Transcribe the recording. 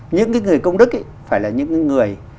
những cái người công đức phải là những người